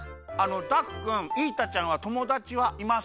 ダクくんイータちゃんはともだちはいますか？